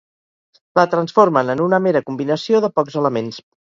La transformen en una mera combinació de pocs elements.